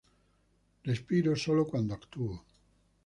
Respiro solo cuándo actúo.